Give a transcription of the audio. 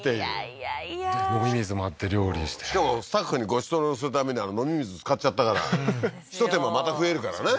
いやいや飲み水もあって料理してしかもスタッフにごちそうするために飲み水使っちゃったから一手間また増えるからね